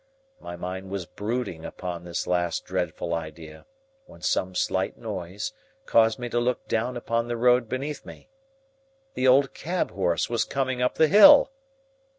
My mind was brooding upon this last dreadful idea when some slight noise caused me to look down upon the road beneath me. The old cab horse was coming up the hill!